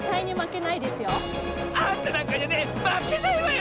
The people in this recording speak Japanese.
あんたなんかにはねまけないわよ！